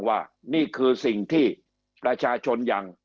คำอภิปรายของสอสอพักเก้าไกลคนหนึ่ง